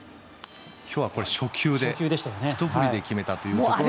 今日はこれ初球でひと振りで決めたというところで。